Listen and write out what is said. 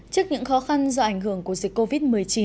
trước những khó khăn do ảnh hưởng của dịch covid một mươi chín